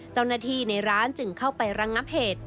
เจ้าหน้าที่ในร้านจึงเข้าไประงับเหตุ